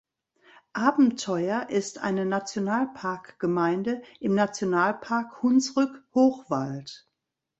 Abentheuer ist eine Nationalparkgemeinde im Nationalpark Hunsrück-Hochwald.